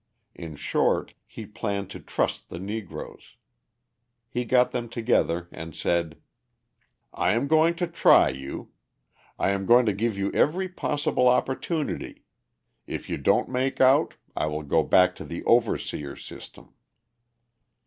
In short, he planned to trust the Negroes. He got them together and said: "I am going to try you. I'm going to give you every possible opportunity; if you don't make out, I will go back to the overseer system."